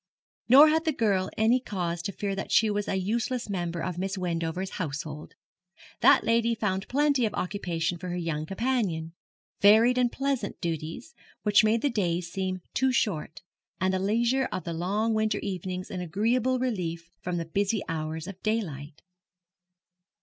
Nor had the girl any cause to fear that she was a useless member of Miss Wendover's household. That lady found plenty of occupation for her young companion varied and pleasant duties, which made the days seem too short, and the leisure of the long winter evenings an agreeable relief from the busy hours of daylight.